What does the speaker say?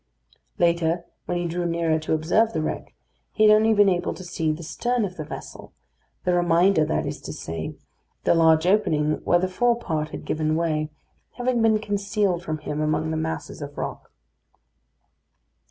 Later, when he drew nearer to observe the wreck, he had only been able to see the stern of the vessel the remainder, that is to say, the large opening where the fore part had given way, having been concealed from him among the masses of rock.